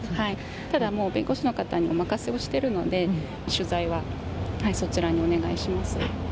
ただもう、弁護士の方にお任せをしてるので、取材はそちらにお願いします。